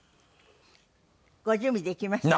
ご準備できましたか？